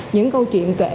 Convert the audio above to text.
những câu chuyện kể